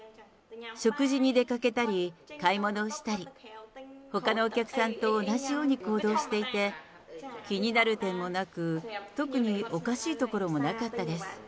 食事に出かけたり、買い物をしたり、ほかのお客さんと同じように行動していて、気になる点もなく、特におかしいところもなかったです。